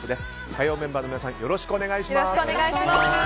火曜メンバーの皆さんよろしくお願いします。